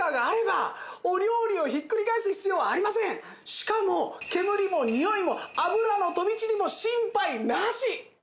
しかも煙もにおいも油の飛び散りも心配なし！